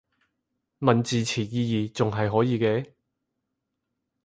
問字詞意義仲係可以嘅